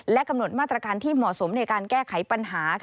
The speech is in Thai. กำหนดมาตรการที่เหมาะสมในการแก้ไขปัญหา